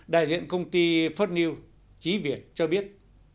đại diện công ty phớt news trí việt cho biết